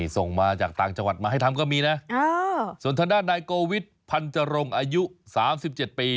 ส่งมาจากต่างจังหวัดมาให้ทำก็มีนะส่วนทางด้านนายโกวิทพันจรงอายุ๓๗ปี